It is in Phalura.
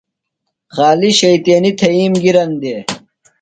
خالیۡ شیطینیۡ تھئیم گِرن دےۡ۔